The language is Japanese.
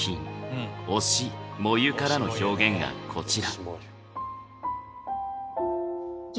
「推し、燃ゆ」からの表現がこちら。